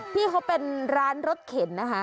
พี่เขาเป็นร้านรถเข็นนะคะ